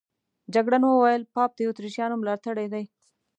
جګړن وویل پاپ د اتریشیانو ملاتړی دی.